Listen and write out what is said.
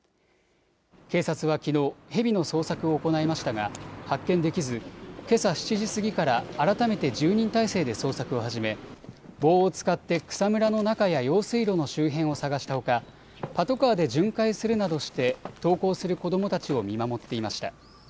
警察はきのう、ヘビの捜索を行いましたが発見できずけさ７時過ぎから改めて１０人態勢で捜索を始め棒を使って草むらの中や用水路の周辺を捜したほかパトカーで巡回するなどして登校する子どもたちを見守っていました。